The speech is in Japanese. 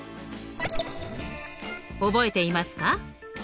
覚えていますか？